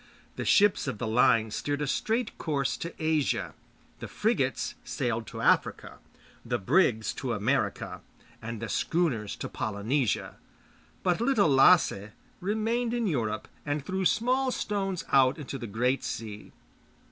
The ships of the line steered a straight course to Asia, the frigates sailed to Africa, the brigs to America, and the schooners to Polynesia. But Little Lasse remained in Europe, and threw small stones out into the great sea.